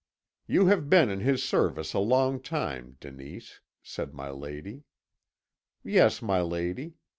"'You have been in his service a long time, Denise,' said my lady. "'Yes, my lady.